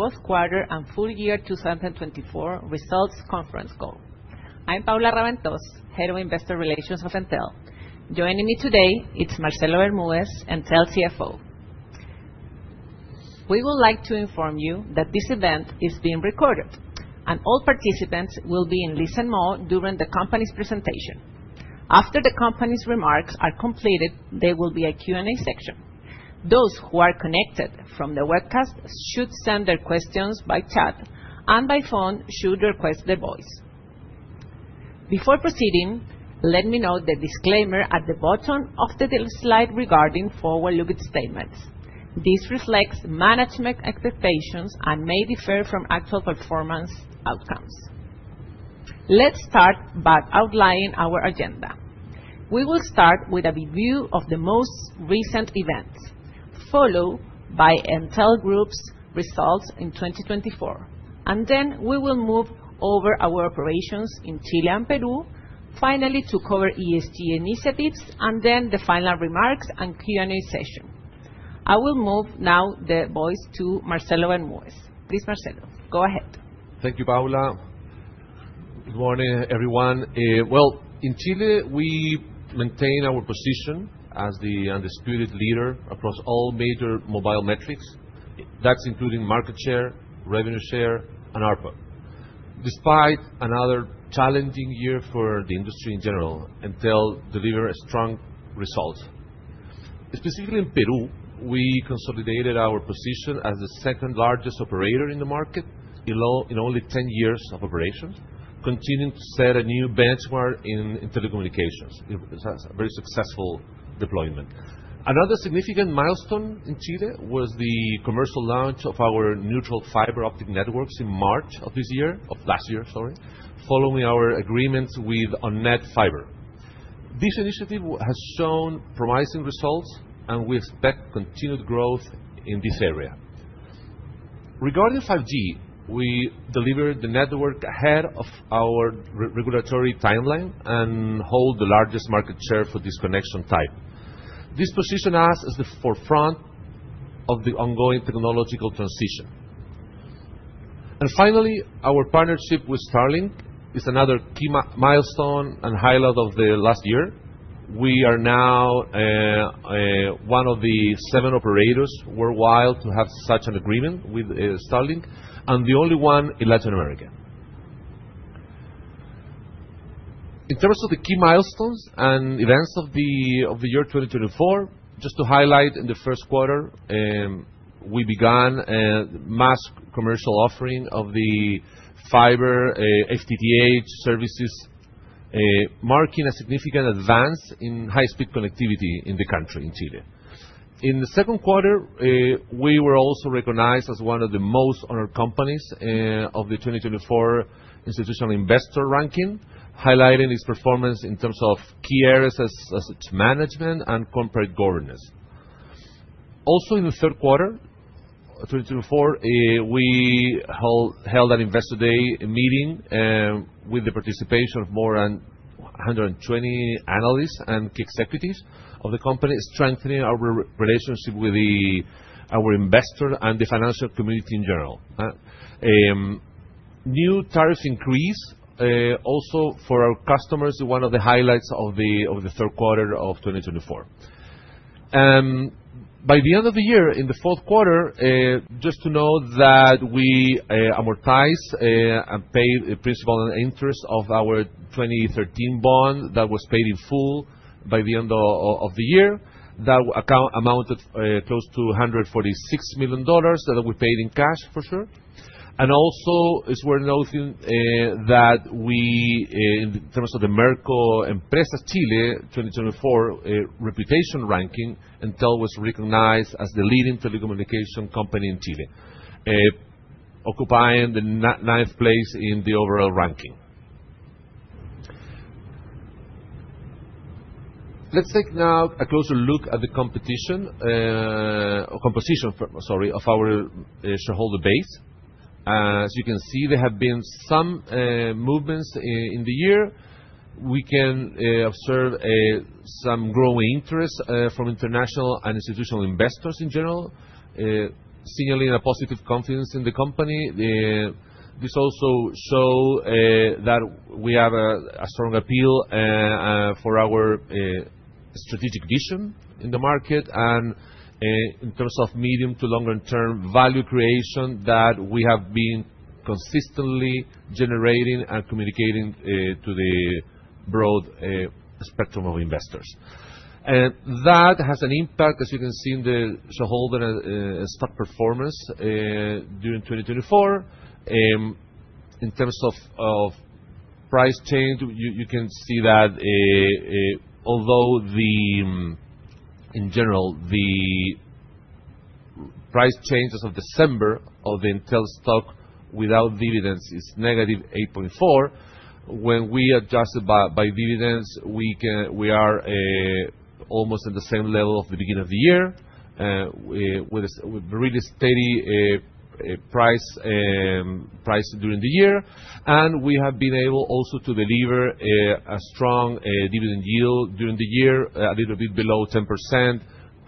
Post-Quarter and Full Year 2024 Results Conference Call. I'm Paula Raventós, Head of Investor Relations at Entel. Joining me today, it's Marcelo Bermúdez, Entel CFO. We would like to inform you that this event is being recorded, and all participants will be in listen mode during the company's presentation. After the company's remarks are completed, there will be a Q&A section. Those who are connected from the webcast should send their questions by chat, and by phone should request their voice. Before proceeding, let me note the disclaimer at the bottom of the slide regarding forward-looking statements. This reflects management expectations and may differ from actual performance outcomes. Let's start by outlining our agenda. We will start with a review of the most recent events, followed by Entel Group's results in 2024, and then we will move over our operations in Chile and Peru, finally to cover ESG initiatives, and then the final remarks and Q&A session. I will move now the voice to Marcelo Bermúdez. Please, Marcelo, go ahead. Thank you, Paula. Good morning, everyone. In Chile, we maintain our position as the undisputed leader across all major mobile metrics. That's including market share, revenue share, and ARPA. Despite another challenging year for the industry in general, Entel delivered strong results. Specifically in Peru, we consolidated our position as the second-largest operator in the market in only 10 years of operation, continuing to set a new benchmark in telecommunications. It was a very successful deployment. Another significant milestone in Chile was the commercial launch of our neutral fiber optic networks in March of this year, of last year, sorry, following our agreement with OnNet Fibra. This initiative has shown promising results, and we expect continued growth in this area. Regarding 5G, we delivered the network ahead of our regulatory timeline and hold the largest market share for this connection type. This positioned us as the forefront of the ongoing technological transition. And finally, our partnership with Starlink is another key milestone and highlight of the last year. We are now one of the seven operators worldwide to have such an agreement with Starlink, and the only one in Latin America. In terms of the key milestones and events of the year 2024, just to highlight in the first quarter, we began a mass commercial offering of the fiber FTTH services, marking a significant advance in high-speed connectivity in the country, in Chile. In the second quarter, we were also recognized as one of the most honored companies of the 2024 Institutional Investor ranking, highlighting its performance in terms of key areas such as management and corporate governance. Also, in the third quarter of 2024, we held an Investor Day meeting with the participation of more than 120 analysts and key executives of the company, strengthening our relationship with our investors and the financial community in general. New tariffs increased also for our customers, one of the highlights of the third quarter of 2024. By the end of the year, in the fourth quarter, just to note that we amortized and paid principal and interest of our 2013 bond that was paid in full by the end of the year. That amounted close to $246 million that we paid in cash, for sure. And also, it's worth noting that we, in terms of the Merco Empresas Chile 2024 reputation ranking, Entel was recognized as the leading telecommunications company in Chile, occupying the ninth place in the overall ranking. Let's take now a closer look at the competition composition, sorry, of our shareholder base. As you can see, there have been some movements in the year. We can observe some growing interest from international and institutional investors in general, signaling a positive confidence in the company. This also shows that we have a strong appeal for our strategic vision in the market and in terms of medium to longer-term value creation that we have been consistently generating and communicating to the broad spectrum of investors. That has an impact, as you can see, in the shareholder stock performance during 2024. In terms of price change, you can see that, although in general, the price change as of December of the Entel stock without dividends is -8.4%. When we adjusted by dividends, we are almost at the same level of the beginning of the year with a really steady price during the year. And we have been able also to deliver a strong dividend yield during the year, a little bit below 10%,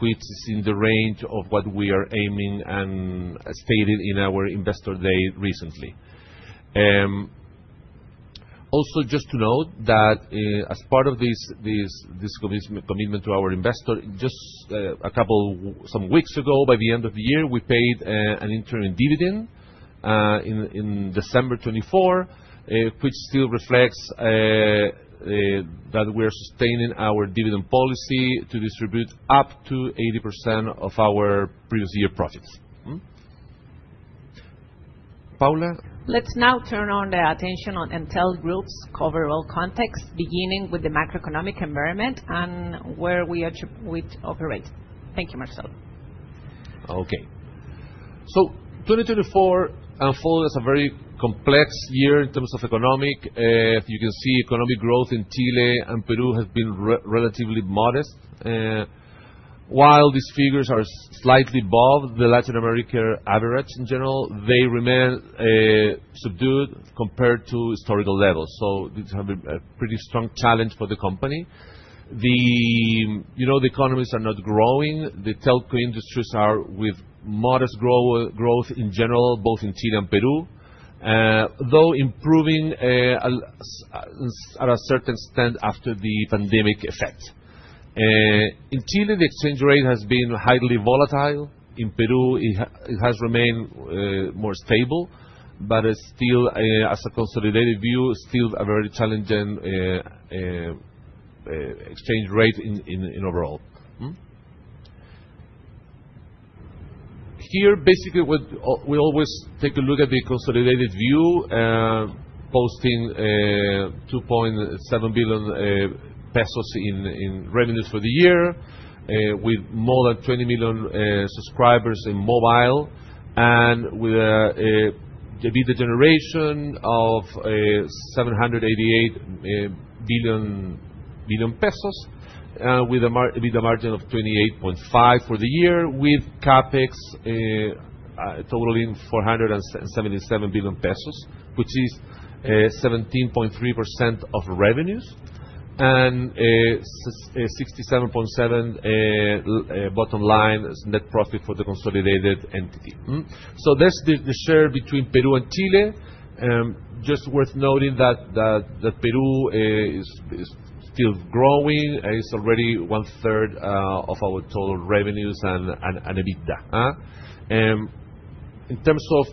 which is in the range of what we are aiming and stated in our Investor Day recently. Also, just to note that as part of this commitment to our investor, just a couple of weeks ago, by the end of the year, we paid an interim dividend in December 2024, which still reflects that we are sustaining our dividend policy to distribute up to 80% of our previous year profits. Paula. Let's now turn our attention on Entel's overall context, beginning with the macroeconomic environment and where we operate. Thank you, Marcelo. Okay. So, 2024 unfolded as a very complex year in terms of economic. You can see economic growth in Chile and Peru has been relatively modest. While these figures are slightly above the Latin American average in general, they remain subdued compared to historical levels. So these have been a pretty strong challenge for the company. The economies are not growing. The telco industries are with modest growth in general, both in Chile and Peru, though improving to a certain extent after the pandemic effect. In Chile, the exchange rate has been highly volatile. In Peru, it has remained more stable, but still, as a consolidated view, still a very challenging exchange rate overall. Here, basically, we always take a look at the consolidated view, posting 2.7 billion pesos in revenues for the year, with more than 20 million subscribers in mobile, and with an EBITDA generation of 788 billion pesos, with a margin of 28.5% for the year, with CapEx totaling 477 billion pesos, which is 17.3% of revenues and 67.7 billion bottom line net profit for the consolidated entity. That's the share between Peru and Chile. Just worth noting that Peru is still growing. It's already one-third of our total revenues and EBITDA. In terms of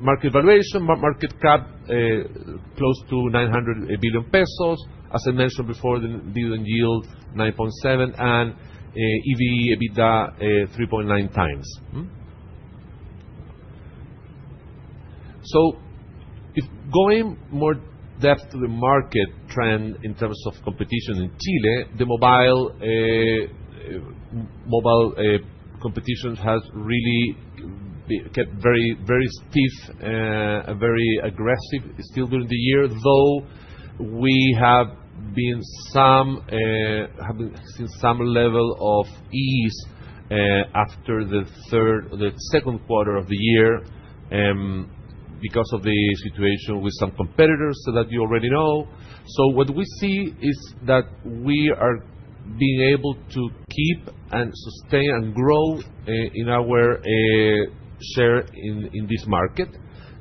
market valuation, market cap close to 900 billion pesos. As I mentioned before, dividend yield 9.7% and EV/EBITDA 3.9 times. So, if going in more depth to the market trend in terms of competition in Chile, the mobile competition has really kept very stiff, very aggressive still during the year, though we have seen some level of ease after the second quarter of the year because of the situation with some competitors that you already know, so what we see is that we are being able to keep and sustain and grow in our share in this market.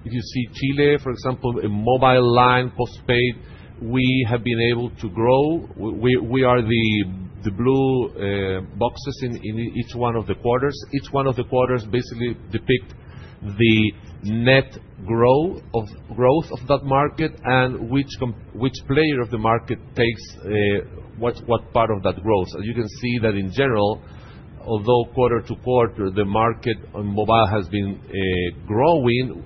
If you see Chile, for example, in mobile lines, postpaid, we have been able to grow. We are the blue boxes in each one of the quarters. Each one of the quarters basically depict the net growth of that market and which player of the market takes what part of that growth. As you can see, that in general, although quarter to quarter, the market on mobile has been growing,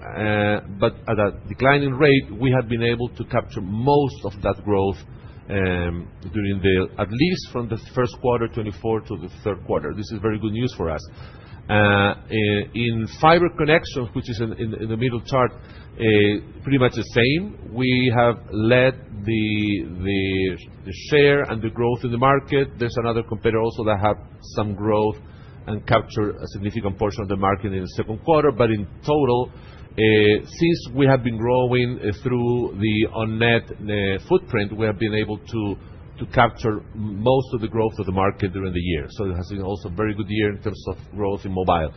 but at a declining rate, we have been able to capture most of that growth during the, at least from the first quarter 2024 to the third quarter. This is very good news for us. In fiber connections, which is in the middle chart, pretty much the same. We have led the share and the growth in the market. There's another competitor also that had some growth and captured a significant portion of the market in the second quarter. But in total, since we have been growing through the OnNet footprint, we have been able to capture most of the growth of the market during the year. So it has been also a very good year in terms of growth in mobile.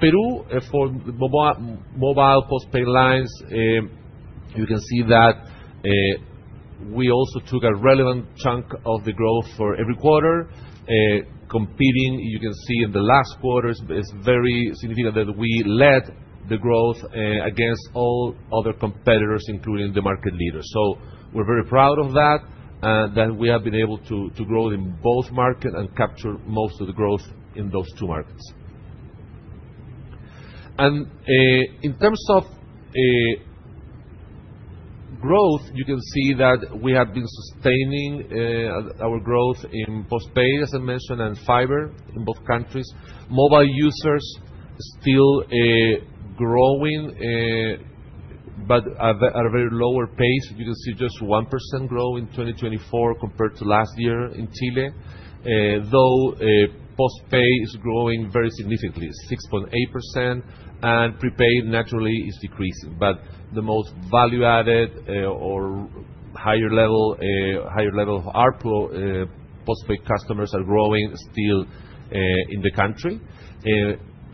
Peru, for mobile postpaid lines, you can see that we also took a relevant chunk of the growth for every quarter. Competing, you can see in the last quarter, it's very significant that we led the growth against all other competitors, including the market leaders. We're very proud of that, that we have been able to grow in both markets and capture most of the growth in those two markets. In terms of growth, you can see that we have been sustaining our growth in postpaid, as I mentioned, and fiber in both countries. Mobile users still growing, but at a very lower pace. You can see just 1% growth in 2024 compared to last year in Chile, though postpaid is growing very significantly, 6.8%, and prepaid naturally is decreasing. The most value-added or higher level ARPA postpaid customers are growing still in the country.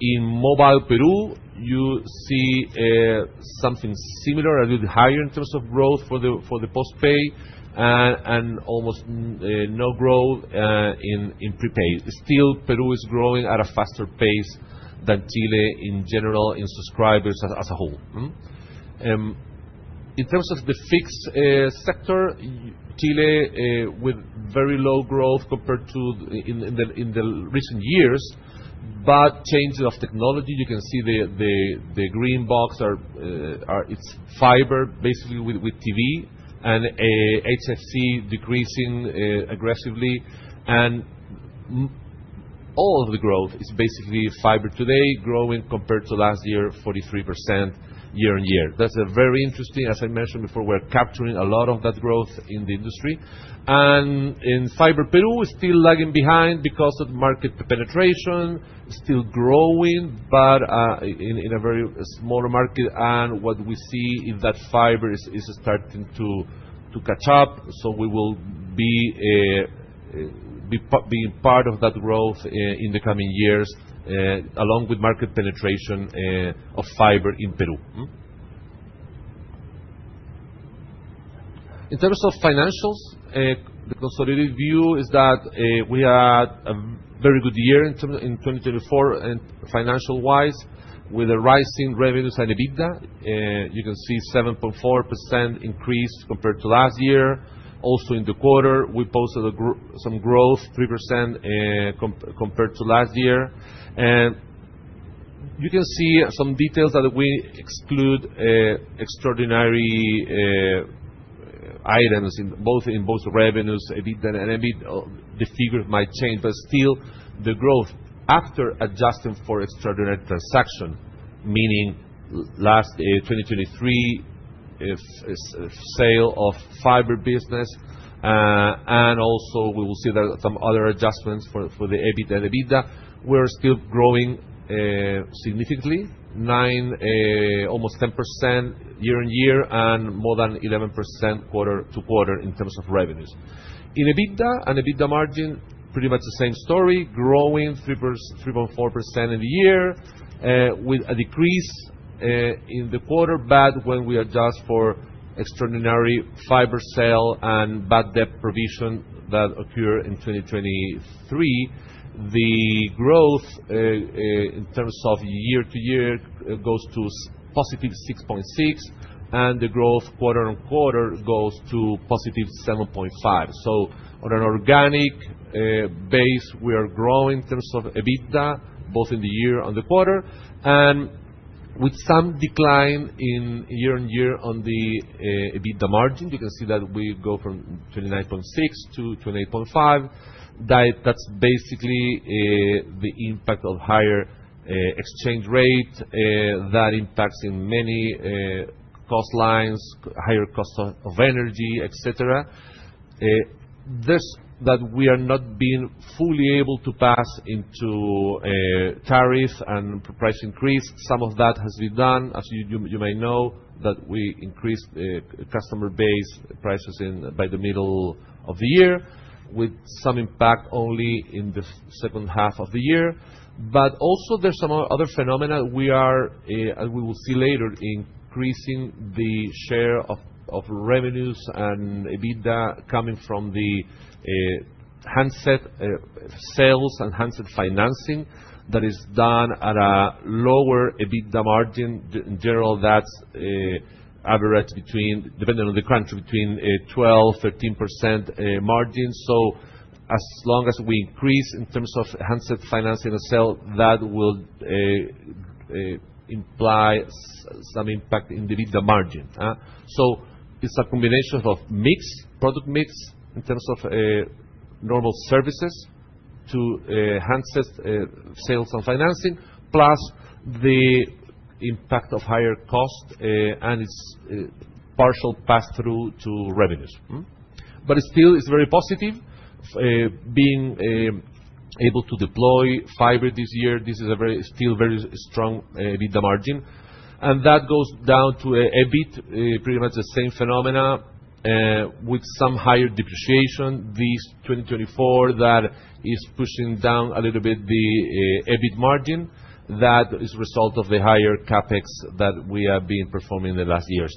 In mobile Peru, you see something similar, a little higher in terms of growth for the postpaid and almost no growth in prepaid. Still, Peru is growing at a faster pace than Chile in general in subscribers as a whole. In terms of the fixed sector, Chile with very low growth compared to in the recent years, but changes of technology. You can see the green box areas, it's fiber, basically with TV and HFC decreasing aggressively, and all of the growth is basically fiber today growing compared to last year, 43% year on year. That's very interesting. As I mentioned before, we're capturing a lot of that growth in the industry, and in fiber Peru, we're still lagging behind because of market penetration. It's still growing, but in a very smaller market, and what we see is that fiber is starting to catch up. So we will be part of that growth in the coming years along with market penetration of fiber in Peru. In terms of financials, the consolidated view is that we had a very good year in 2024 and financial-wise with a rising revenues and EBITDA. You can see 7.4% increase compared to last year. Also in the quarter, we posted some growth, 3% compared to last year. And you can see some details that we exclude extraordinary items both in revenues, EBITDA and EBITDA. The figure might change, but still the growth after adjusting for extraordinary transaction, meaning last 2023 sale of fiber business. And also we will see some other adjustments for the EBITDA and EBITDA. We're still growing significantly, almost 10% year on year and more than 11% quarter to quarter in terms of revenues. In EBITDA and EBITDA margin, pretty much the same story, growing 3.4% in the year with a decrease in the quarter. But when we adjust for extraordinary fiber sale and bad debt provision that occurred in 2023, the growth in terms of year to year goes to positive 6.6%, and the growth quarter on quarter goes to positive 7.5%. So on an organic base, we are growing in terms of EBITDA both in the year and the quarter, and with some decline year on year on the EBITDA margin. You can see that we go from 29.6% to 28.5%. That's basically the impact of higher exchange rate that impacts in many cost lines, higher cost of energy, etc. That we are not being fully able to pass into tariff and price increase. Some of that has been done. As you may know, that we increased customer base prices by the middle of the year with some impact only in the second half of the year. But also there's some other phenomena. We will see later increasing the share of revenues and EBITDA coming from the handset sales and handset financing that is done at a lower EBITDA margin. In general, that's averaged depending on the country between 12%-13% margin. So as long as we increase in terms of handset financing and sale, that will imply some impact in the EBITDA margin. So it's a combination of mixed product mix in terms of normal services to handset sales and financing, plus the impact of higher cost and its partial pass-through to revenues. But it still is very positive being able to deploy fiber this year. This is still a very strong EBITDA margin. And that goes down to EBIT, pretty much the same phenomena with some higher depreciation this 2024 that is pushing down a little bit the EBIT margin that is a result of the higher CapEx that we have been performing in the last years.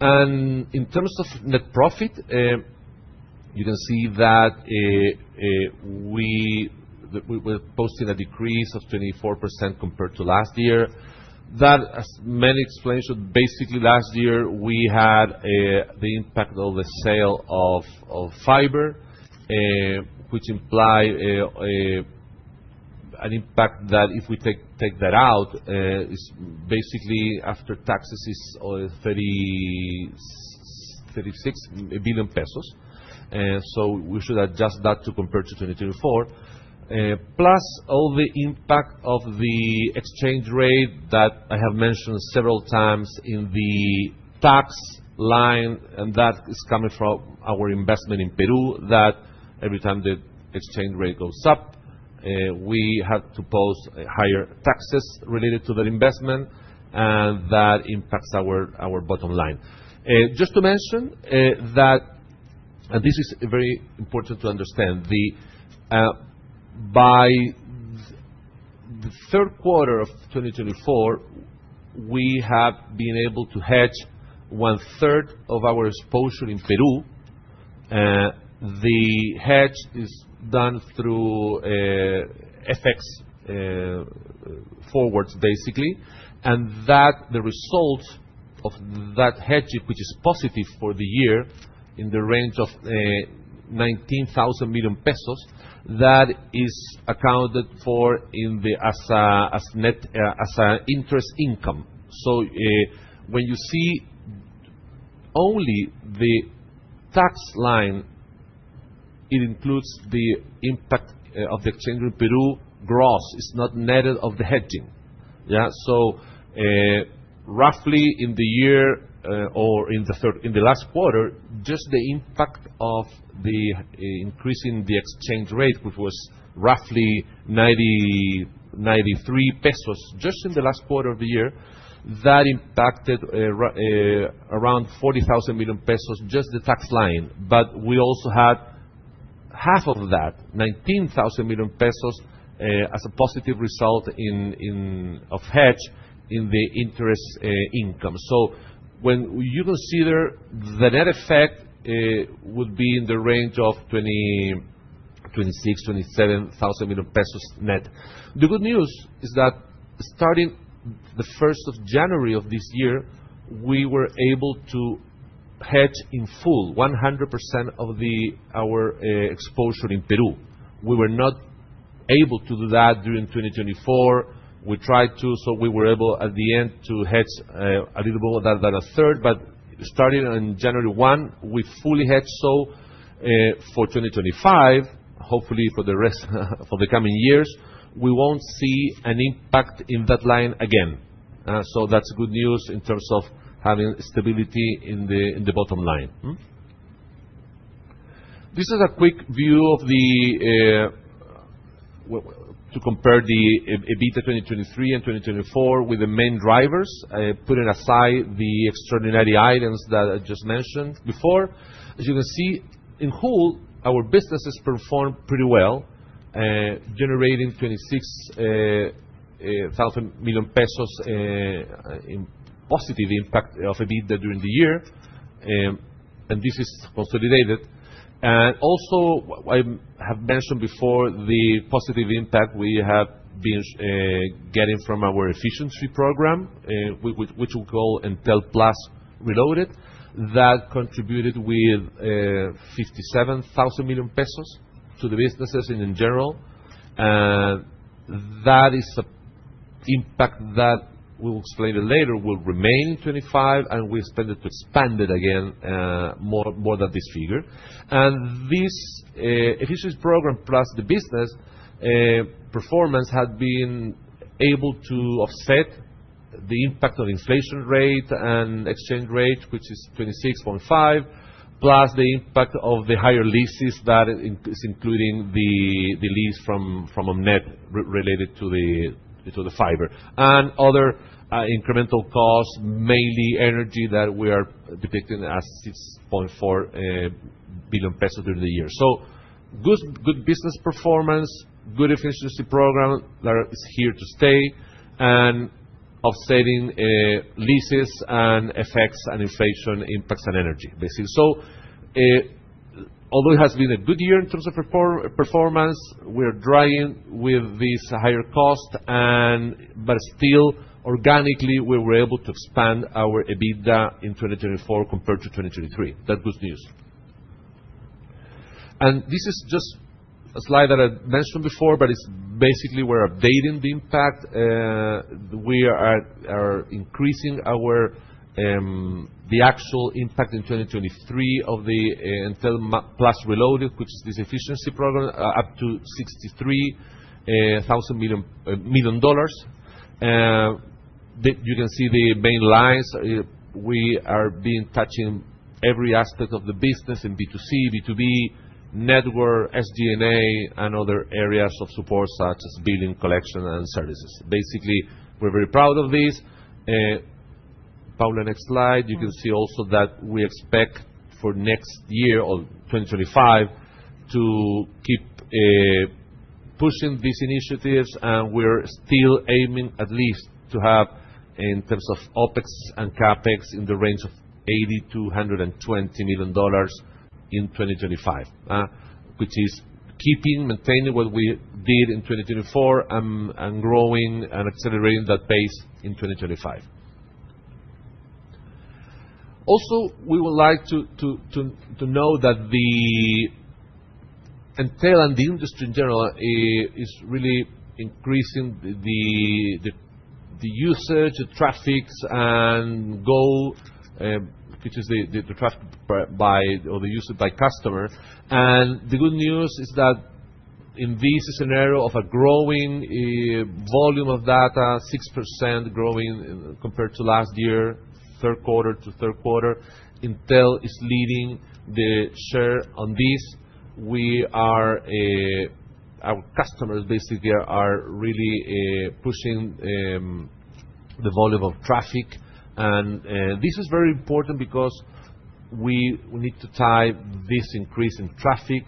And in terms of net profit, you can see that we were posting a decrease of 24% compared to last year. That has many explanations. Basically, last year we had the impact of the sale of fiber, which implies an impact that if we take that out, it's basically after taxes is 36 billion pesos. So we should adjust that to compare to 2024. Plus all the impact of the exchange rate that I have mentioned several times in the tax line, and that is coming from our investment in Peru, that every time the exchange rate goes up, we have to post higher taxes related to that investment, and that impacts our bottom line. Just to mention that, and this is very important to understand, by the third quarter of 2024, we have been able to hedge one-third of our exposure in Peru. The hedge is done through FX forwards, basically. And the result of that hedge, which is positive for the year in the range of 19 billion pesos, that is accounted for as an interest income. When you see only the tax line, it includes the impact of the exchange rate Peru gross. It's not netted of the hedging. Roughly in the year or in the last quarter, just the impact of the increase in the exchange rate, which was roughly 93 pesos just in the last quarter of the year, that impacted around 40 billion pesos, just the tax line. But we also had half of that, 19 billion pesos as a positive result of hedge in the interest income. So when you consider the net effect, it would be in the range of 26-27 billion net. The good news is that starting the 1st of January of this year, we were able to hedge in full, 100% of our exposure in Peru. We were not able to do that during 2024. We tried to, so we were able at the end to hedge a little bit more than a third. But starting on January 1, we fully hedged. For 2025, hopefully for the coming years, we won't see an impact in that line again. That's good news in terms of having stability in the bottom line. This is a quick view to compare the EBITDA 2023 and 2024 with the main drivers, putting aside the extraordinary items that I just mentioned before. As you can see, in whole, our business has performed pretty well, generating CLP 26,000 million in positive impact of EBITDA during the year. And this is consolidated. And also, I have mentioned before the positive impact we have been getting from our efficiency program, which we call Entel Plus Reloaded, that contributed with 57,000 million pesos to the businesses in general. That is an impact that we will explain it later will remain in 2025, and we expanded again more than this figure. This efficiency program plus the business performance had been able to offset the impact of inflation rate and exchange rate, which is 26.5%, plus the impact of the higher leases that is including the lease from OnNet related to the fiber and other incremental costs, mainly energy that we are depicting as 6.4 billion pesos during the year. Good business performance, good efficiency program that is here to stay, and offsetting leases and effects and inflation impacts on energy, basically. Although it has been a good year in terms of performance, we are dealing with these higher costs, but still organically, we were able to expand our EBITDA in 2024 compared to 2023. That's good news. This is just a slide that I mentioned before, but it's basically we're updating the impact. We are increasing the actual impact in 2023 of the Entel Plus Reloaded, which is this efficiency program, up to $63 billion. You can see the main lines. We are touching every aspect of the business in B2C, B2B, network, SG&A, and other areas of support such as billing, collection, and services. Basically, we're very proud of this. Paula, next slide. You can see also that we expect for next year or 2025 to keep pushing these initiatives, and we're still aiming at least to have in terms of OpEx and CapEx in the range of $80 million-$120 million in 2025, which is keeping, maintaining what we did in 2024 and growing and accelerating that pace in 2025. Also, we would like to know that the Entel and the industry in general is really increasing the usage, the traffics, and goal, which is the traffic by or the usage by customer. And the good news is that in this scenario of a growing volume of data, 6% growing compared to last year, third quarter to third quarter, Entel is leading the share on this. Our customers, basically, are really pushing the volume of traffic. And this is very important because we need to tie this increase in traffic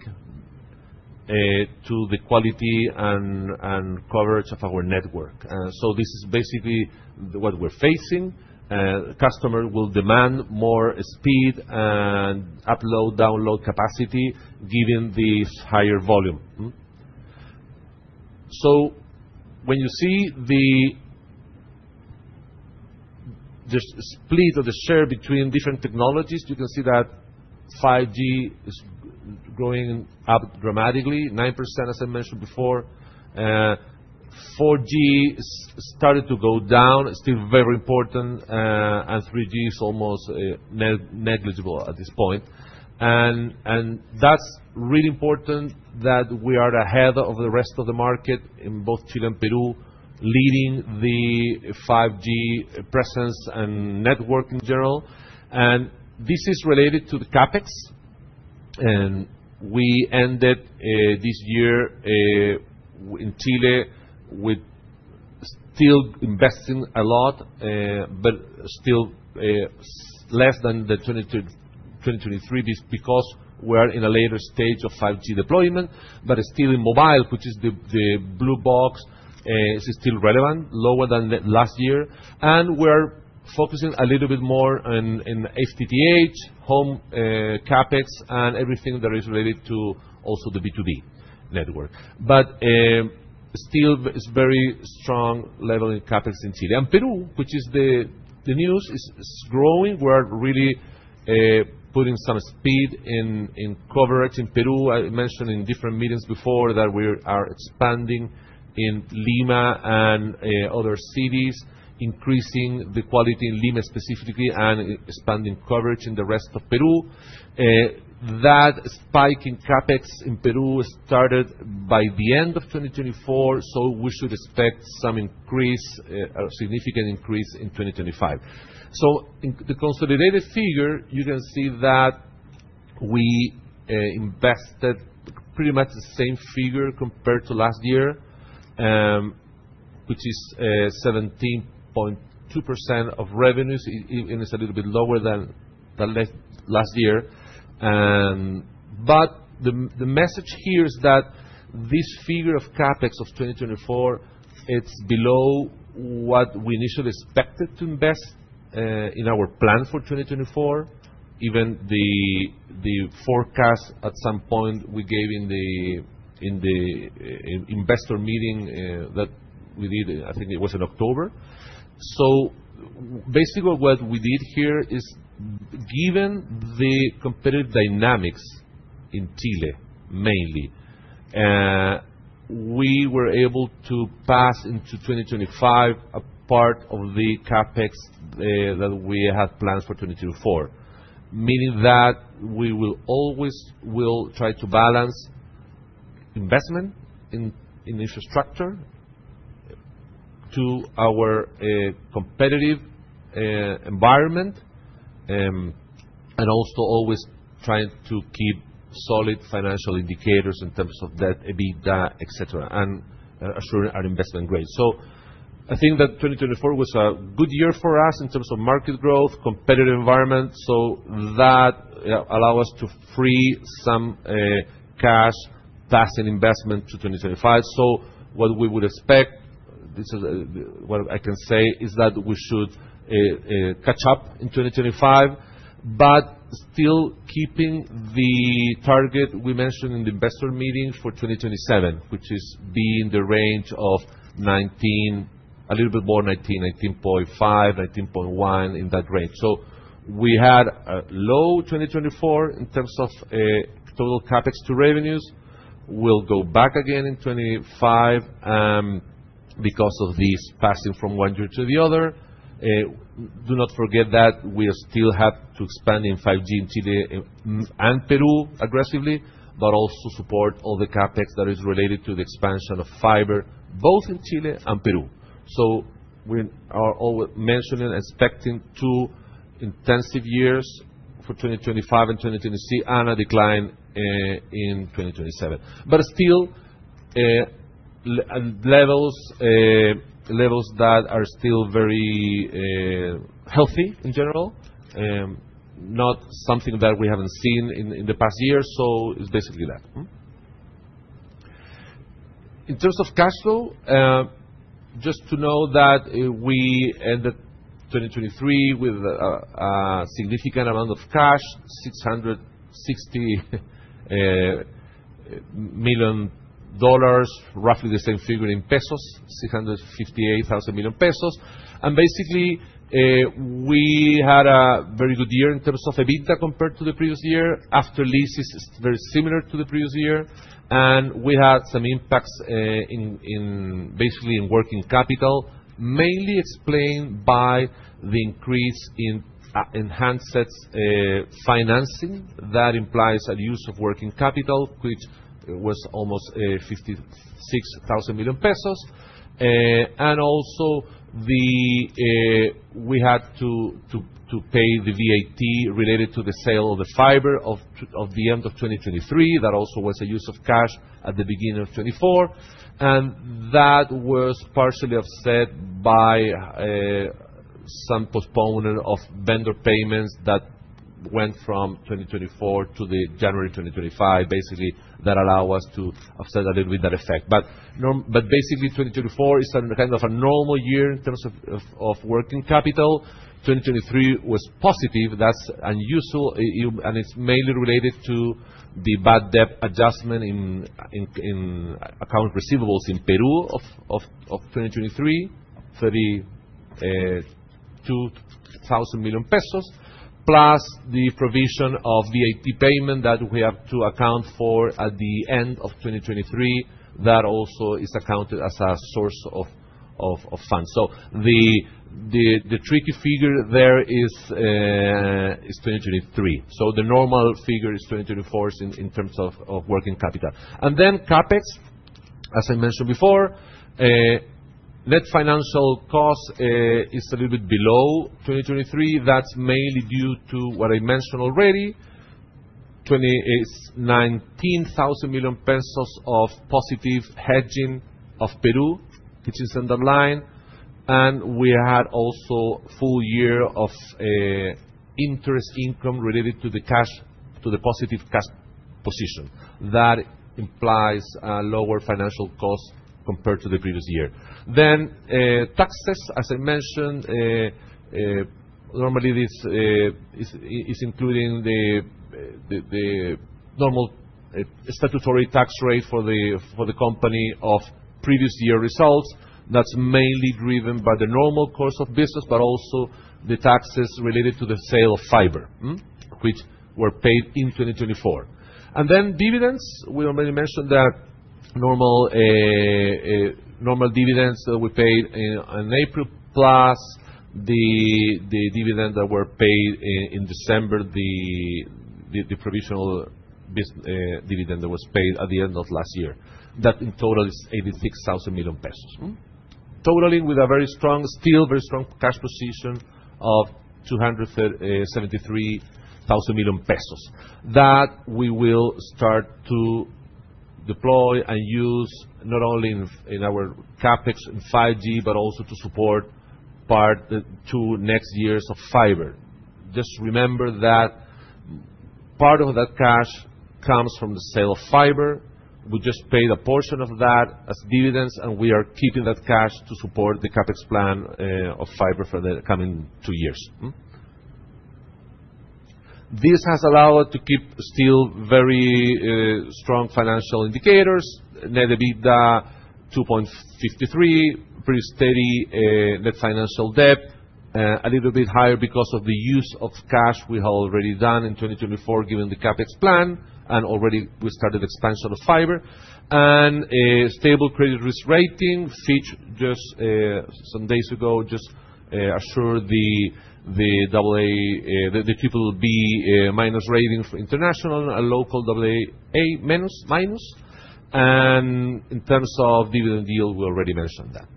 to the quality and coverage of our network. So this is basically what we're facing. Customers will demand more speed and upload, download capacity given this higher volume. So when you see the split of the share between different technologies, you can see that 5G is growing up dramatically, 9%, as I mentioned before. 4G started to go down, still very important, and 3G is almost negligible at this point. And that's really important that we are ahead of the rest of the market in both Chile and Peru, leading the 5G presence and network in general. And this is related to the CapEx. And we ended this year in Chile with still investing a lot, but still less than the 2023 because we are in a later stage of 5G deployment, but still in mobile, which is the blue box, is still relevant, lower than last year. And we're focusing a little bit more in FTTH, home CapEx, and everything that is related to also the B2B network. But still, it's very strong level in CapEx in Chile. And Peru, which is the news, is growing. We're really putting some speed in coverage in Peru. I mentioned in different meetings before that we are expanding in Lima and other cities, increasing the quality in Lima specifically and expanding coverage in the rest of Peru. That spike in CapEx in Peru started by the end of 2024, so we should expect some increase, a significant increase in 2025. So the consolidated figure, you can see that we invested pretty much the same figure compared to last year, which is 17.2% of revenues, and it's a little bit lower than last year. But the message here is that this figure of CapEx of 2024, it's below what we initially expected to invest in our plan for 2024, even the forecast at some point we gave in the investor meeting that we did, I think it was in October. So basically what we did here is, given the competitive dynamics in Chile mainly, we were able to pass into 2025 a part of the CapEx that we had planned for 2024, meaning that we will always try to balance investment in infrastructure to our competitive environment and also always trying to keep solid financial indicators in terms of that EBITDA, etc., and assuring our Investment Grade. So I think that 2024 was a good year for us in terms of market growth, competitive environment. So that allowed us to free some cash, passing investment to 2025. So what we would expect, what I can say, is that we should catch up in 2025, but still keeping the target we mentioned in the investor meeting for 2027, which is being the range of 19, a little bit more 19, 19.5, 19.1 in that range. So we had a low 2024 in terms of total CapEx to revenues. We'll go back again in 2025 because of this passing from one year to the other. Do not forget that we still have to expand in 5G in Chile and Peru aggressively, but also support all the CapEx that is related to the expansion of fiber, both in Chile and Peru. So we are always mentioning and expecting two intensive years for 2025 and 2026 and a decline in 2027. But still, levels that are still very healthy in general, not something that we haven't seen in the past year. So it's basically that. In terms of cash flow, just to know that we ended 2023 with a significant amount of cash, $660 million, roughly the same figure in pesos, 658 billion pesos. And basically, we had a very good year in terms of EBITDA compared to the previous year. After leases, it's very similar to the previous year. And we had some impacts basically in working capital, mainly explained by the increase in handsets financing that implies a use of working capital, which was almost 56,000 million pesos. And also we had to pay the VAT related to the sale of the fiber of the end of 2023. That also was a use of cash at the beginning of 2024. And that was partially offset by some postponement of vendor payments that went from 2024 to January 2025, basically that allowed us to offset a little bit that effect. But basically, 2024 is kind of a normal year in terms of working capital. 2023 was positive. That's unusual. It's mainly related to the bad debt adjustment in accounts receivable in Peru of 2023, 32,000 million pesos, plus the provision of VAT payment that we have to account for at the end of 2023 that also is accounted as a source of funds. So the tricky figure there is 2023. So the normal figure is 2024 in terms of working capital. And then CapEx, as I mentioned before, net financial cost is a little bit below 2023. That's mainly due to what I mentioned already, 19,000 million pesos of positive hedging of Peru, which is underlined. And we had also full year of interest income related to the positive cash position. That implies a lower financial cost compared to the previous year. Then taxes, as I mentioned, normally this is including the normal statutory tax rate for the company of previous year results. That's mainly driven by the normal cost of business, but also the taxes related to the sale of fiber, which were paid in 2024, and then dividends. We already mentioned that normal dividends that we paid in April, plus the dividend that were paid in December, the provisional dividend that was paid at the end of last year. That in total is 86 billion pesos, totaling with a very strong, still very strong cash position of 273 billion pesos that we will start to deploy and use not only in our CapEx in 5G, but also to support part to next year's fiber. Just remember that part of that cash comes from the sale of fiber. We just paid a portion of that as dividends, and we are keeping that cash to support the CapEx plan of fiber for the coming two years. This has allowed us to keep still very strong financial indicators, net EBITDA 2.53, pretty steady net financial debt, a little bit higher because of the use of cash we have already done in 2024 given the CapEx plan, and already we started expansion of fiber, and stable credit risk rating, which just some days ago just assured the AAA, the triple B minus rating for international and local AAA minus, and in terms of dividend yield, we already mentioned that.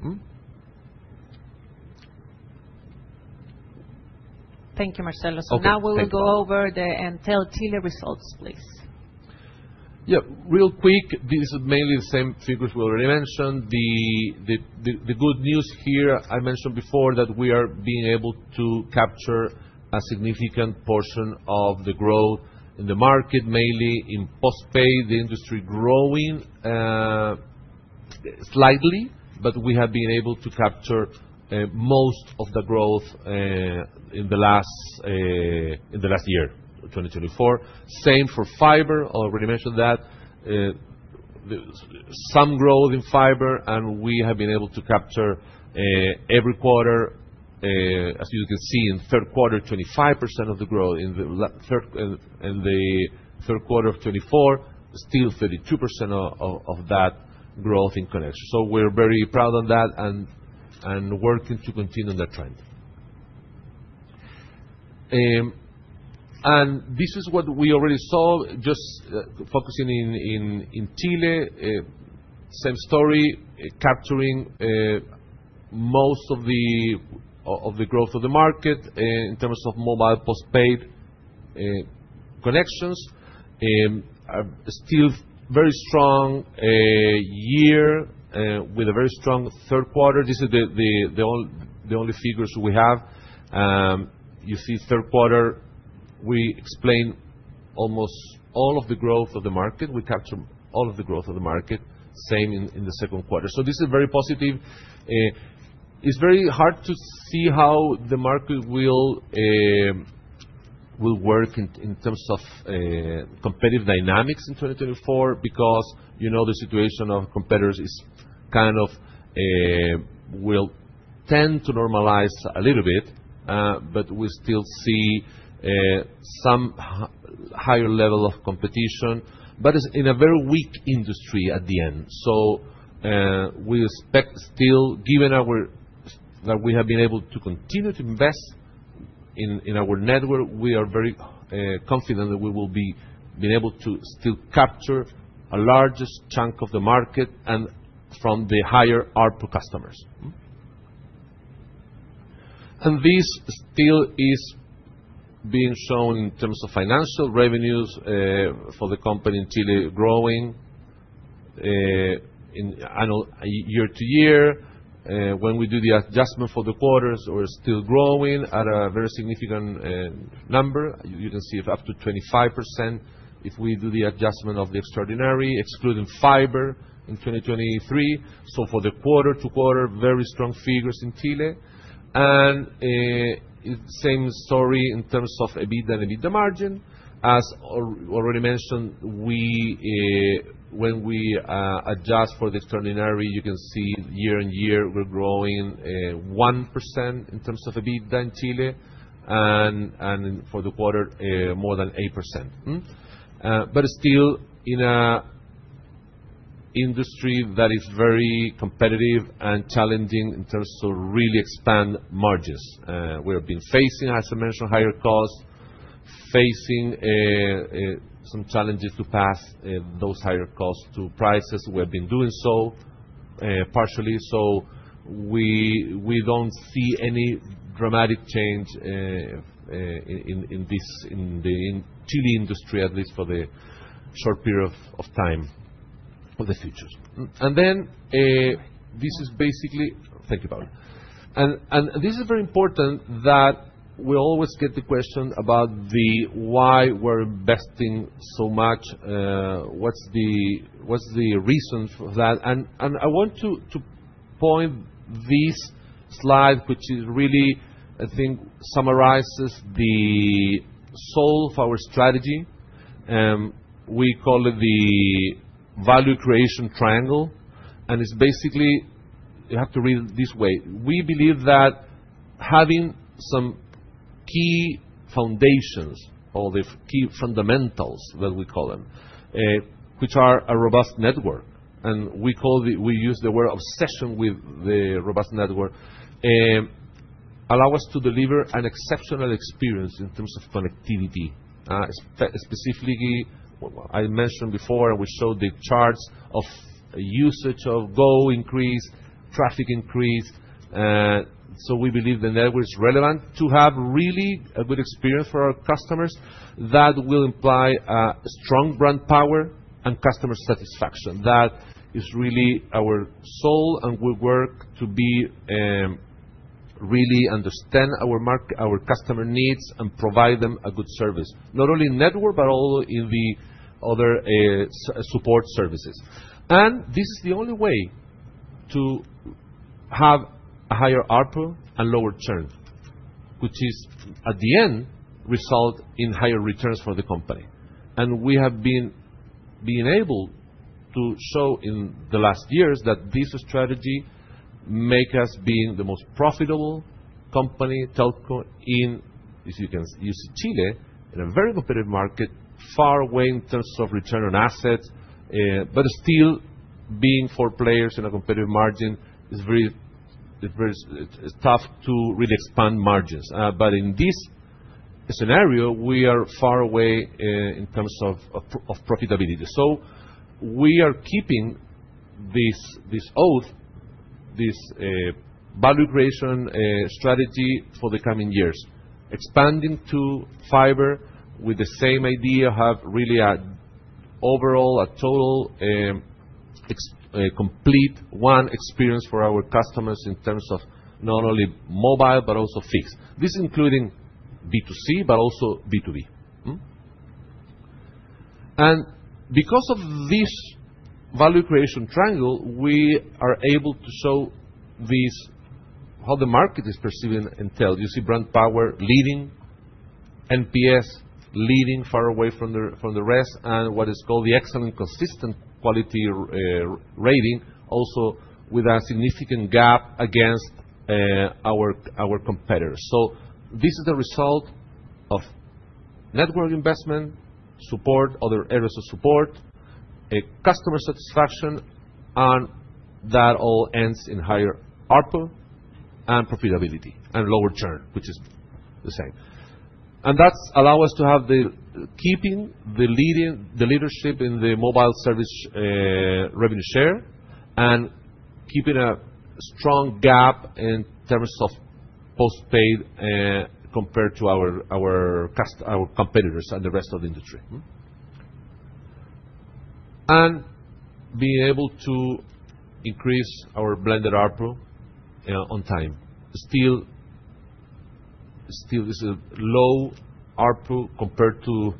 Thank you, Marcelo. So now we will go over the Entel Chile results, please. Yeah, real quick, this is mainly the same figures we already mentioned. The good news here, I mentioned before that we are being able to capture a significant portion of the growth in the market, mainly in postpaid, the industry growing slightly, but we have been able to capture most of the growth in the last year of 2024. Same for fiber, I already mentioned that some growth in fiber, and we have been able to capture every quarter, as you can see in third quarter, 25% of the growth in the third quarter of 2024, still 32% of that growth in connection. So we're very proud of that and working to continue on that trend. And this is what we already saw, just focusing in Chile, same story, capturing most of the growth of the market in terms of mobile postpaid connections. Still very strong year with a very strong third quarter. This is the only figures we have. You see, third quarter, we explain almost all of the growth of the market. We capture all of the growth of the market, same in the second quarter, so this is very positive. It's very hard to see how the market will work in terms of competitive dynamics in 2024 because the situation of competitors is kind of will tend to normalize a little bit, but we still see some higher level of competition, but it's in a very weak industry at the end, so we expect still, given that we have been able to continue to invest in our network, we are very confident that we will be able to still capture a large chunk of the market and from the higher ARPU customers. And this still is being shown in terms of financial revenues for the company in Chile growing year to year. When we do the adjustment for the quarters, we're still growing at a very significant number. You can see up to 25% if we do the adjustment of the extraordinary, excluding fiber in 2023, so for the quarter to quarter, very strong figures in Chile, and same story in terms of EBITDA and EBITDA margin. As already mentioned, when we adjust for the extraordinary, you can see year on year, we're growing 1% in terms of EBITDA in Chile, and for the quarter, more than 8%, but still in an industry that is very competitive and challenging in terms of really expand margins. We have been facing, as I mentioned, higher costs, facing some challenges to pass those higher costs to prices. We have been doing so partially, so we don't see any dramatic change in the Chilean industry, at least for the short period of time of the futures. Thank you, Paula. This is very important that we always get the question about why we're investing so much, what's the reason for that. I want to point to this slide, which really, I think, summarizes the soul of our strategy. We call it the value creation triangle. It's basically, you have to read it this way. We believe that having some key foundations or the key fundamentals, as we call them, which are a robust network, and we use the word obsession with the robust network, allow us to deliver an exceptional experience in terms of connectivity. Specifically, I mentioned before, and we showed the charts of data usage increase, traffic increase. We believe the network is relevant to have really a good experience for our customers. That will imply a strong brand power and customer satisfaction. That is really our soul, and we work to really understand our customer needs and provide them a good service, not only in network, but also in the other support services. And this is the only way to have a higher ARPU and lower churn, which is at the end result in higher returns for the company. And we have been able to show in the last years that this strategy makes us being the most profitable company in, if you can use Chile, in a very competitive market, far away in terms of return on assets, but still being four players in a competitive margin is very tough to really expand margins. But in this scenario, we are far away in terms of profitability. We are keeping this oath, this value creation strategy for the coming years, expanding to fiber with the same idea of really an overall, a total, complete one experience for our customers in terms of not only mobile, but also fixed. This is including B2C, but also B2B, and because of this value creation triangle, we are able to show how the market is perceiving Entel. You see brand power leading, NPS leading far away from the rest, and what is called the excellent consistent quality rating, also with a significant gap against our competitors. This is the result of network investment, support, other areas of support, customer satisfaction, and that all ends in higher ARPU and profitability and lower churn, which is the same. That's allowed us to have, keeping the leadership in the mobile service revenue share and keeping a strong gap in terms of postpaid compared to our competitors and the rest of the industry. Being able to increase our blended ARPU over time. Still, it's a low ARPU compared to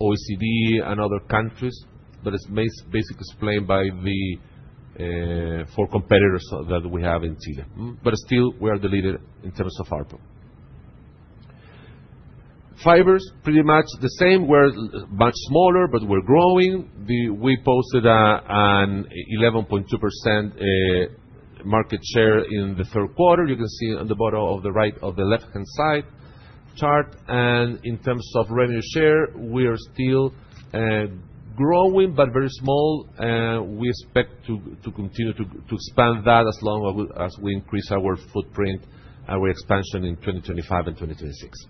OECD and other countries, but it's basically explained by the four competitors that we have in Chile. Still, we are the leader in terms of ARPU. Fiber, pretty much the same. We're much smaller, but we're growing. We posted an 11.2% market share in the third quarter. You can see on the bottom right of the left-hand side chart. In terms of revenue share, we are still growing, but very small. We expect to continue to expand that as long as we increase our footprint, our expansion in 2025 and 2026.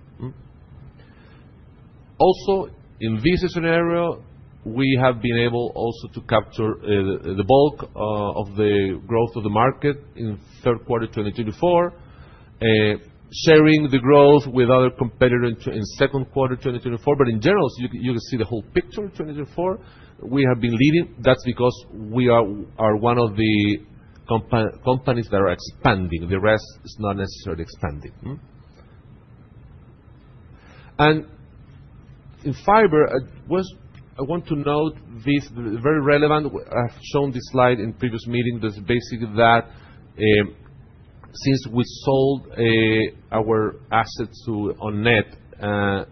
Also, in this scenario, we have been able also to capture the bulk of the growth of the market in third quarter 2024, sharing the growth with other competitors in second quarter 2024. But in general, you can see the whole picture in 2024. We have been leading. That's because we are one of the companies that are expanding. The rest is not necessarily expanding. And in fiber, I want to note this very relevant. I've shown this slide in previous meetings. It's basically that since we sold our assets OnNet,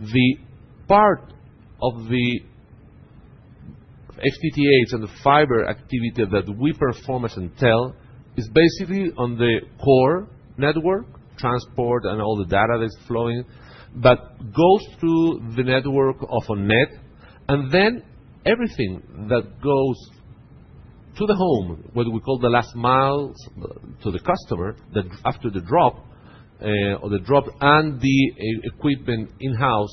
the part of the FTTH and the fiber activity that we perform as Entel is basically on the core network, transport, and all the data that's flowing, but goes through the network of OnNet. And then everything that goes to the home, what we call the last miles to the customer, that after the drop, or the drop and the equipment in-house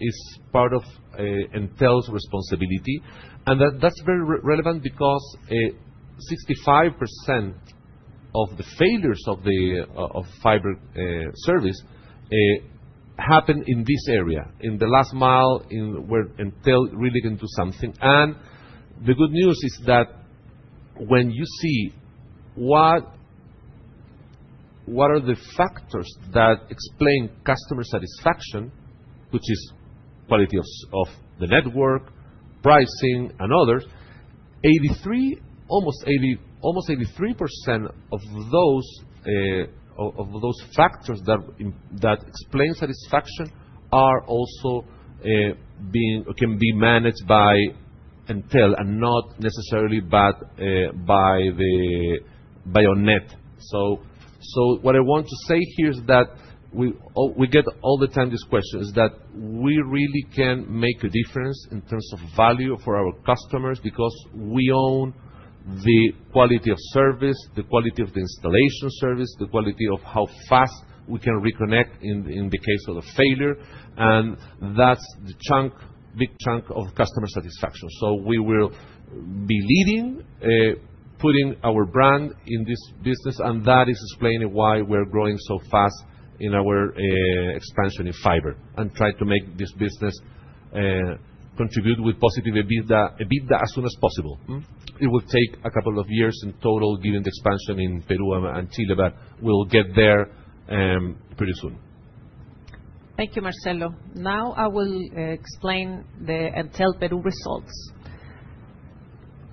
is part of Entel's responsibility. And that's very relevant because 65% of the failures of fiber service happen in this area, in the last mile where Entel really can do something. And the good news is that when you see what are the factors that explain customer satisfaction, which is quality of the network, pricing, and others, almost 83% of those factors that explain satisfaction are also can be managed by Entel and not necessarily by the net. So what I want to say here is that we get all the time this question is that we really can make a difference in terms of value for our customers because we own the quality of service, the quality of the installation service, the quality of how fast we can reconnect in the case of a failure. And that's the big chunk of customer satisfaction. So we will be leading, putting our brand in this business, and that is explaining why we're growing so fast in our expansion in fiber and try to make this business contribute with positive EBITDA as soon as possible. It will take a couple of years in total given the expansion in Peru and Chile, but we'll get there pretty soon. Thank you, Marcelo. Now I will explain the Entel Peru results.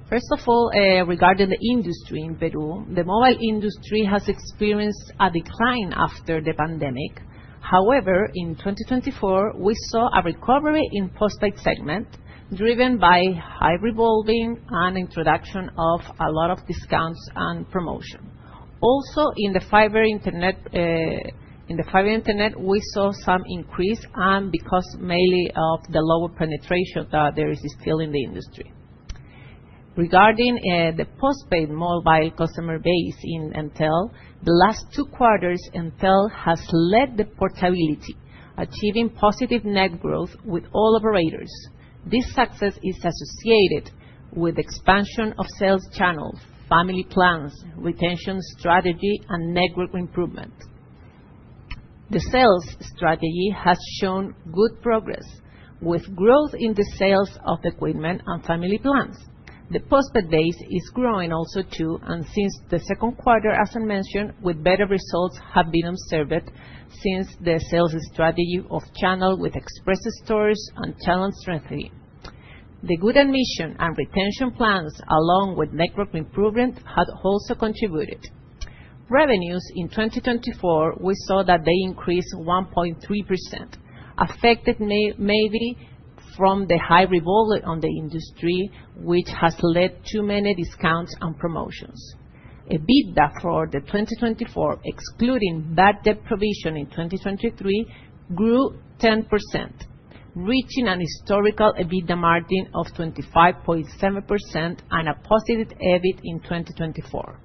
First of all, regarding the industry in Peru, the mobile industry has experienced a decline after the pandemic. However, in 2024, we saw a recovery in postpaid segment driven by high revolving and introduction of a lot of discounts and promotion. Also, in the fiber internet, we saw some increase because mainly of the lower penetration that there is still in the industry. Regarding the postpaid mobile customer base in Entel, the last two quarters, Entel has led the portability, achieving positive net growth with all operators. This success is associated with the expansion of sales channels, family plans, retention strategy, and network improvement. The sales strategy has shown good progress with growth in the sales of equipment and family plans. The postpaid base is growing also too, and since the second quarter, as I mentioned, better results have been observed since the sales strategy of channel with express stores and channel strengthening. The good acquisition and retention plans, along with network improvement, had also contributed. Revenues in 2024, we saw that they increased 1.3%, affected maybe from the high churn in the industry, which has led to many discounts and promotions. EBITDA for 2024, excluding bad debt provision in 2023, grew 10%, reaching a historical EBITDA margin of 25.7% and a positive EBIT in 2024.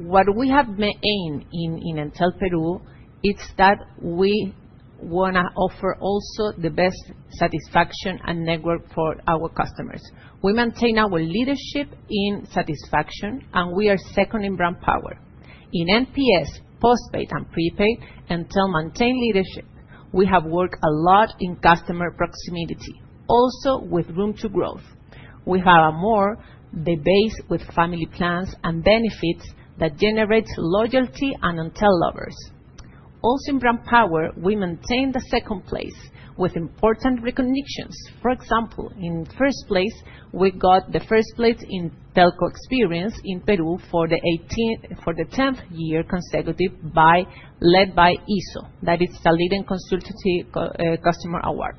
What we have maintained in Entel Peru is that we want to offer also the best satisfaction and network for our customers. We maintain our leadership in satisfaction, and we are second in brand power. In NPS, postpaid, and prepaid, Entel maintained leadership. We have worked a lot in customer proximity, also with room to growth. We have a more the base with family plans and benefits that generates loyalty and Entel lovers. Also, in brand power, we maintained the second place with important reconnections. For example, in first place, we got the first place in Telco experience in Peru for the 10th year consecutive led by IZO, that is the leading consulting customer award.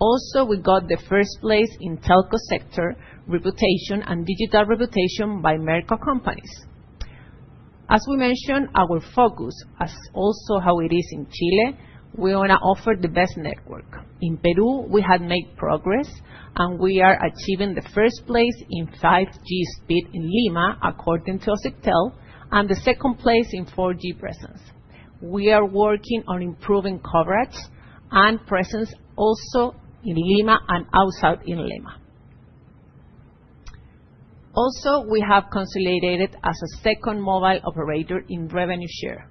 Also, we got the first place in Telco sector reputation and digital reputation by Merco Empresas. As we mentioned, our focus is also how it is in Chile. We want to offer the best network. In Peru, we had made progress, and we are achieving the first place in 5G speed in Lima, according to OSIPTEL, and the second place in 4G presence. We are working on improving coverage and presence also in Lima and outside in Lima. Also, we have consolidated as a second mobile operator in revenue share,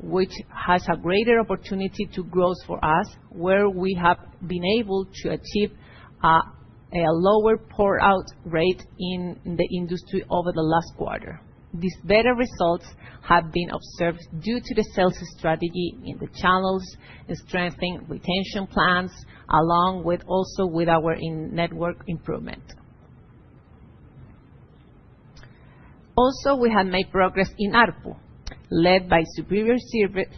which has a greater opportunity to grow for us, where we have been able to achieve a lower churn rate in the industry over the last quarter. These better results have been observed due to the sales strategy in the channels, strengthening retention plans, along with also with our network improvement. Also, we had made progress in ARPU, led by superior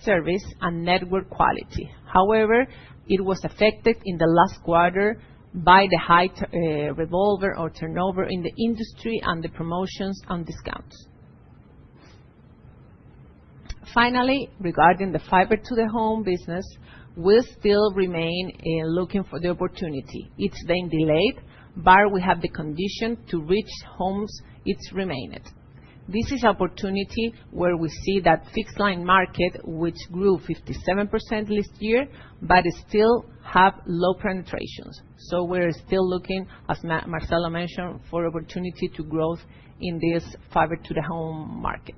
service and network quality. However, it was affected in the last quarter by the high churn or turnover in the industry and the promotions and discounts. Finally, regarding the fiber to the home business, we still remain looking for the opportunity. It's been delayed, but we have the condition to reach homes it's remained. This is an opportunity where we see that fixed line market, which grew 57% last year, but still has low penetration. We're still looking, as Marcelo mentioned, for opportunity to grow in this fiber to the home market.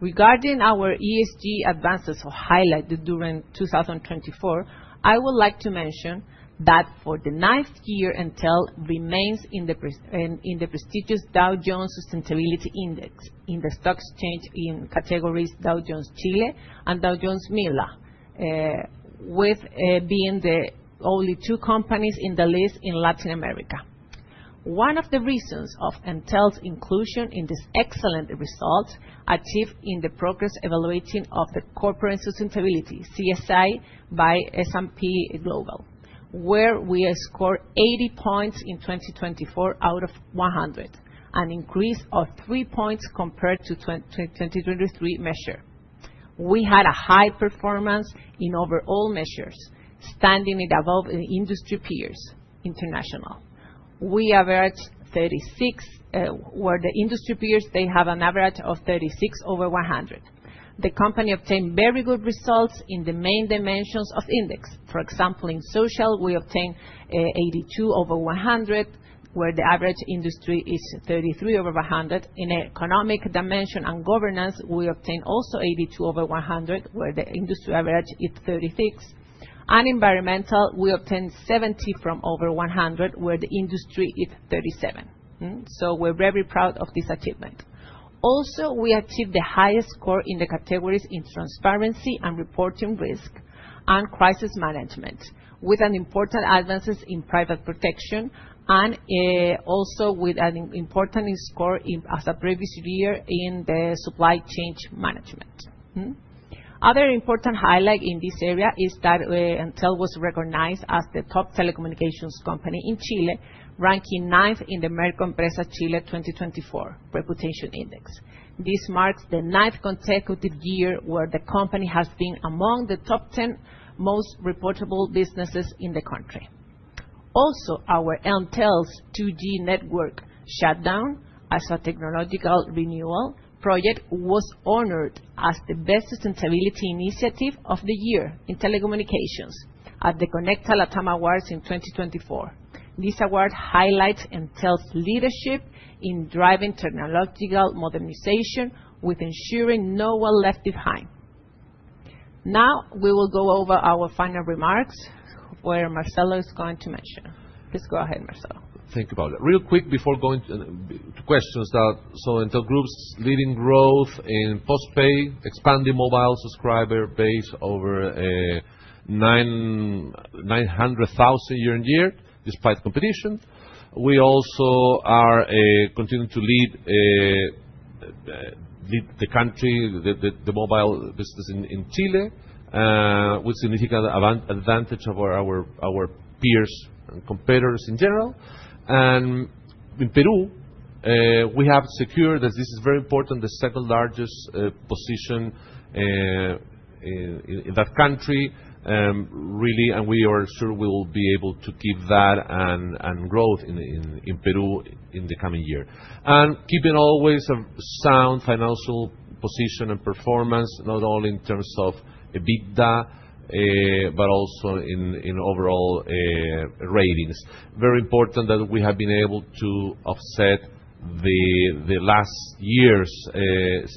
Regarding our ESG advances or highlight during 2024, I would like to mention that for the ninth year, Entel remains in the prestigious Dow Jones Sustainability Index in the stock exchange in categories Dow Jones Chile and Dow Jones MILA, with being the only two companies in the list in Latin America. One of the reasons of Entel's inclusion in this excellent result achieved in the progress evaluation of the corporate sustainability CSA by S&P Global, where we scored 80 points in 2024 out of 100, an increase of three points compared to the 2023 measure. We had a high performance in overall measures, standing above industry peers international. We averaged 36, where the industry peers, they have an average of 36 over 100. The company obtained very good results in the main dimensions of the index. For example, in social, we obtained 82 out of 100, where the average industry is 33 out of 100. In economic dimension and governance, we obtained also 82 out of 100, where the industry average is 36. In environmental, we obtained 70 out of 100, where the industry is 37. We're very proud of this achievement. Also, we achieved the highest score in the categories in transparency and reporting risk and crisis management, with important advances in privacy protection and also with an important score as in the previous year in the supply chain management. Other important highlight in this area is that Entel was recognized as the top telecommunications company in Chile, ranking ninth in the Merco Empresas Chile 2024 reputation index. This marks the ninth consecutive year where the company has been among the top 10 most reportable businesses in the country. Also, our Entel's 2G network shutdown as a technological renewal project was honored as the best sustainability initiative of the year in telecommunications at the Conecta Latam Awards in 2024. This award highlights Entel's leadership in driving technological modernization with ensuring no one left behind. Now, we will go over our final remarks where Marcelo is going to mention. Please go ahead, Marcelo. Thank you, Paula. Real quick before going to questions, so Entel Group's leading growth in postpaid, expanding mobile subscriber base over 900,000 year on year despite competition. We also are continuing to lead the country, the mobile business in Chile, with significant advantage over our peers and competitors in general. And in Peru, we have secured, as this is very important, the second largest position in that country, really, and we are sure we will be able to keep that and growth in Peru in the coming year. And keeping always a sound financial position and performance, not only in terms of EBITDA, but also in overall ratings. Very important that we have been able to offset the last year's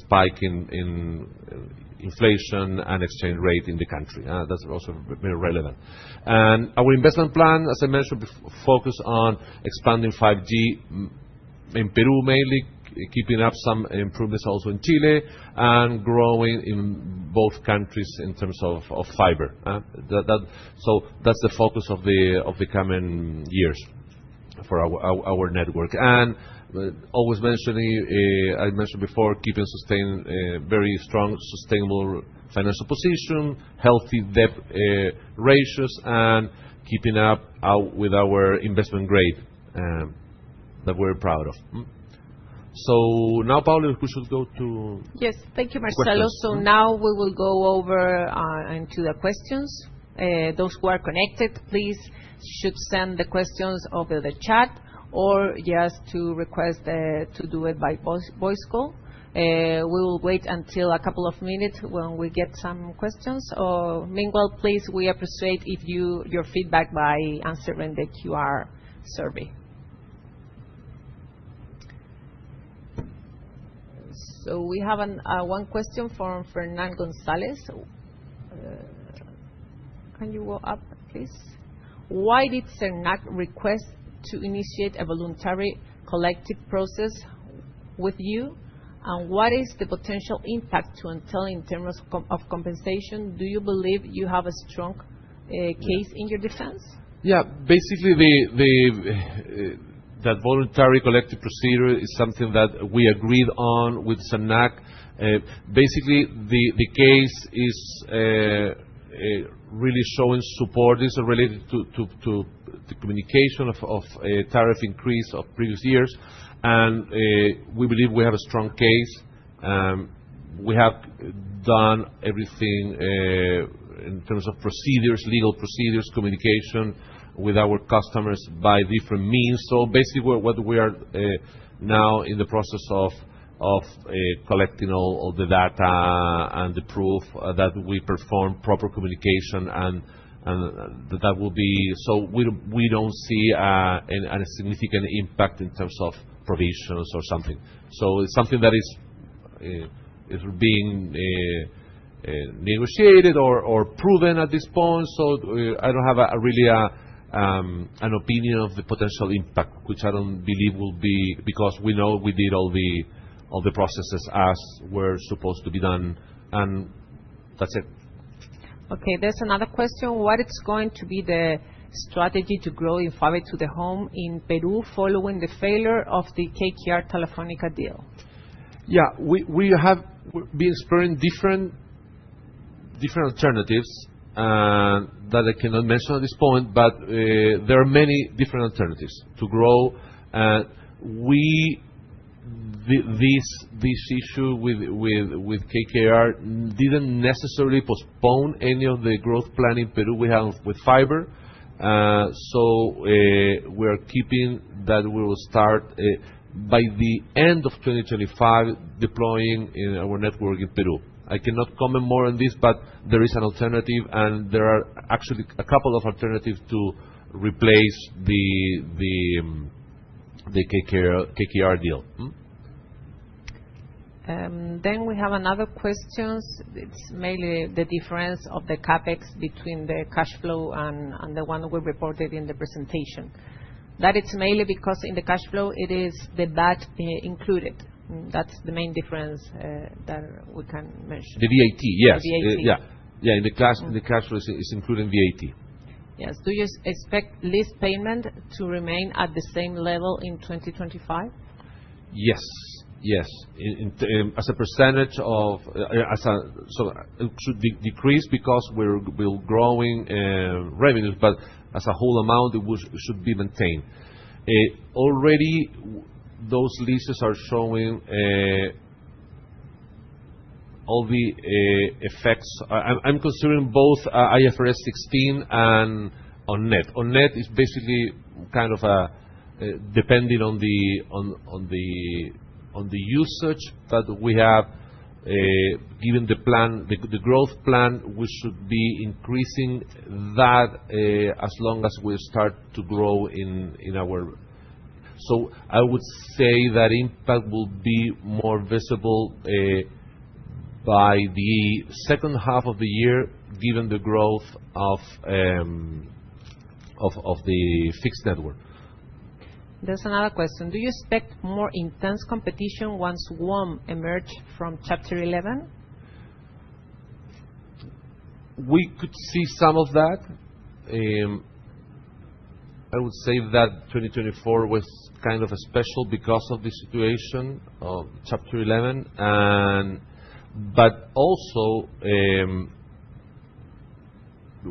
spike in inflation and exchange rate in the country. That's also very relevant. And our investment plan, as I mentioned, focused on expanding 5G in Peru, mainly keeping up some improvements also in Chile and growing in both countries in terms of fiber. So that's the focus of the coming years for our network. And always mentioning, I mentioned before, keeping very strong sustainable financial position, healthy debt ratios, and keeping up with our investment grade that we're proud of. So now, Paula, we should go to. Yes. Thank you, Marcelo. So now we will go over into the questions. Those who are connected, please should send the questions over the chat or just to request to do it by voice call. We will wait until a couple of minutes when we get some questions. Or meanwhile, please, we appreciate your feedback by answering the QR survey. So we have one question from Fernando González. Can you go up, please? Why did SERNAC request to initiate a voluntary collective process with you? And what is the potential impact to Entel in terms of compensation? Do you believe you have a strong case in your defense? Yeah. Basically, that voluntary collective procedure is something that we agreed on with SERNAC. Basically, the case is really showing support related to the communication of tariff increase of previous years. And we believe we have a strong case. We have done everything in terms of procedures, legal procedures, communication with our customers by different means. So basically, what we are now in the process of collecting all the data and the proof that we perform proper communication, and that will be so we don't see a significant impact in terms of provisions or something. So it's something that is being negotiated or proven at this point. So I don't have really an opinion of the potential impact, which I don't believe will be because we know we did all the processes as were supposed to be done. And that's it. Okay. There's another question. What is going to be the strategy to grow in fiber to the home in Peru following the failure of the KKR Telefónica deal? Yeah. We have been exploring different alternatives that I cannot mention at this point, but there are many different alternatives to grow. This issue with KKR didn't necessarily postpone any of the growth plan in Peru we have with fiber. So we are keeping that we will start by the end of 2025 deploying our network in Peru. I cannot comment more on this, but there is an alternative, and there are actually a couple of alternatives to replace the KKR deal. Then we have another question. It's mainly the difference of the CapEx between the cash flow and the one we reported in the presentation. That it's mainly because in the cash flow, it is the VAT included. That's the main difference that we can mention. The VAT, yes. The VAT. Yeah. Yeah. In the cash flow, it's including VAT. Yes. Do you expect lease payment to remain at the same level in 2025? Yes. Yes. As a percentage of so it should decrease because we're growing revenues, but as a whole amount, it should be maintained. Already, those leases are showing all the effects. I'm considering both IFRS 16 and OnNet. OnNet is basically kind of depending on the usage that we have. Given the growth plan, we should be increasing that as long as we start to grow in our. So I would say that impact will be more visible by the second half of the year, given the growth of the fixed network. There's another question. Do you expect more intense competition once WOM emerge from Chapter 11? We could see some of that. I would say that 2024 was kind of special because of the situation of Chapter 11. But also,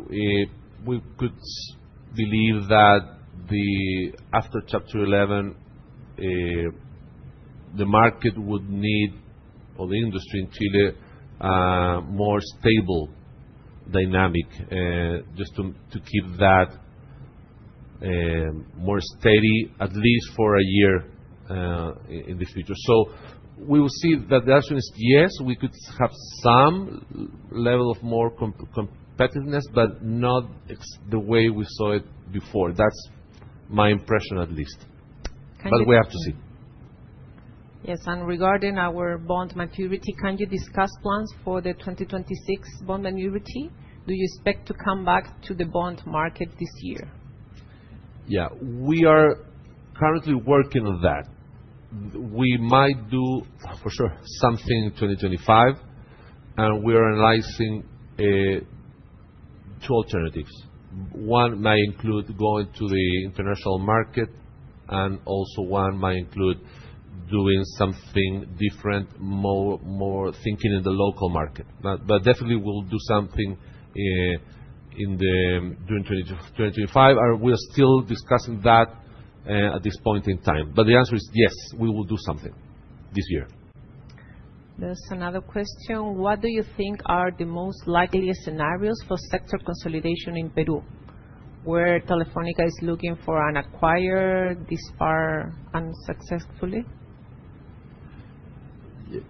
we could believe that after Chapter 11, the market would need, or the industry in Chile, a more stable dynamic just to keep that more steady, at least for a year in the future. So we will see that the answer is yes. We could have some level of more competitiveness, but not the way we saw it before. That's my impression, at least. But we have to see. Yes. And regarding our bond maturity, can you discuss plans for the 2026 bond maturity? Do you expect to come back to the bond market this year? Yeah. We are currently working on that. We might do, for sure, something in 2025. And we are analyzing two alternatives. One might include going to the international market, and also one might include doing something different, more thinking in the local market. But definitely, we'll do something during 2025. We are still discussing that at this point in time. But the answer is yes, we will do something this year. There's another question. What do you think are the most likely scenarios for sector consolidation in Peru where Telefónica is looking for an acquirer this far unsuccessfully?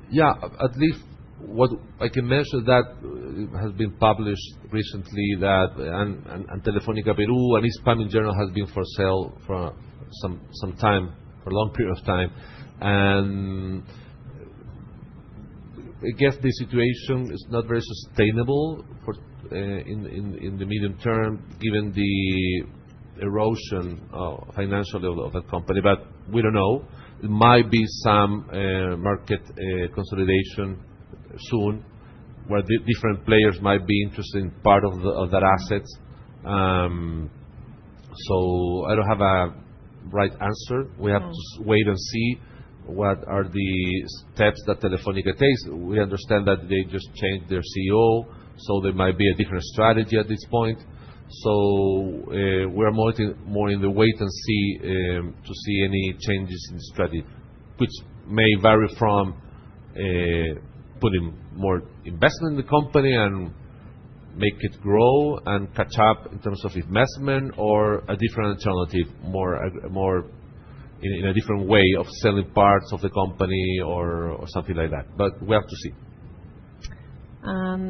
Yeah. At least what I can mention that has been published recently that Telefónica Peru and Hispam in general has been for sale for some time, for a long period of time. And I guess the situation is not very sustainable in the medium term given the erosion of financial level of that company. But we don't know. There might be some market consolidation soon where different players might be interested in part of that asset. So I don't have a right answer. We have to wait and see what are the steps that Telefónica takes. We understand that they just changed their CEO, so there might be a different strategy at this point, so we are more in the wait and see to see any changes in the strategy, which may vary from putting more investment in the company and make it grow and catch up in terms of investment or a different alternative, in a different way of selling parts of the company or something like that, but we have to see.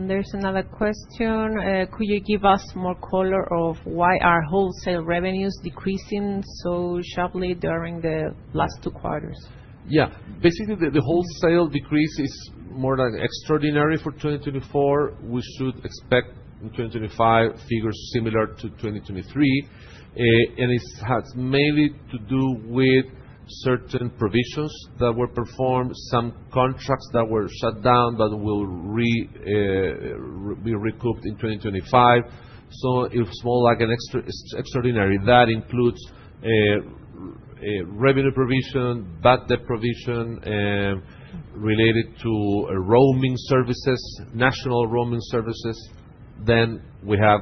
There's another question. Could you give us more color of why are wholesale revenues decreasing so sharply during the last two quarters? Yeah. Basically, the wholesale decrease is more than extraordinary for 2024. We should expect in 2025 figures similar to 2023, and it has mainly to do with certain provisions that were performed, some contracts that were shut down, but will be recouped in 2025, so it's small, like an extraordinary. That includes revenue provision, VAT debt provision related to roaming services, national roaming services. Then we have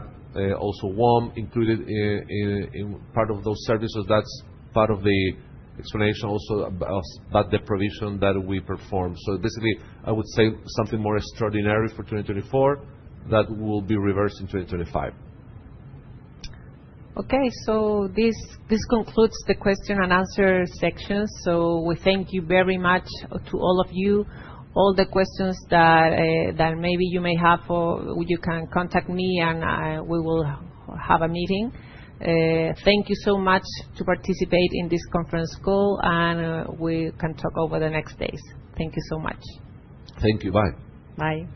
also WOM included in part of those services. That's part of the explanation also about the provision that we performed. So basically, I would say something more extraordinary for 2024 that will be reversed in 2025. Okay. So this concludes the question and answer section. So we thank you very much to all of you. All the questions that maybe you may have, you can contact me, and we will have a meeting. Thank you so much to participate in this conference call, and we can talk over the next days. Thank you so much. Thank you. Bye. Bye.